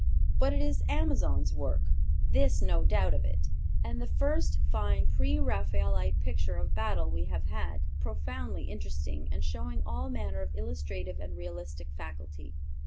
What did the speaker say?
But it is Amazon's work, this, no doubt of it, and the first fine pre raphaelite picture of battle we have had, profoundly interesting, and showing all manner of illustrative and realistic faculty.